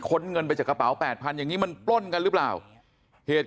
้นเงินไปจากกระเป๋า๘๐๐อย่างนี้มันปล้นกันหรือเปล่าเหตุ